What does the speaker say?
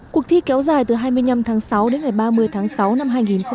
cuộc thi kéo dài từ hai mươi năm tháng sáu đến ngày ba mươi tháng sáu năm hai nghìn hai mươi